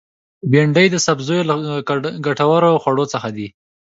بېنډۍ د سبزیو له ګټورو خوړو څخه ده